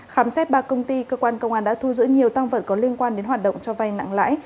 khám xét ba công ty cơ quan công an đã thu giữ nhiều tăng vật có liên quan đến hoạt động cho vay nặng lãi